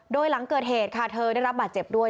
โดยหลังเกิดเหตุค่ะเธอได้รับบาดเจ็บด้วย